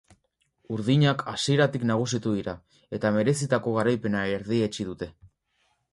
Urdinak hasieratik nagusitu dira eta merezitako garaipena erdietsi dute.